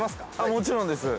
◆もちろんです。